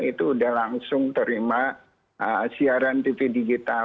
itu udah langsung terima siaran tv digital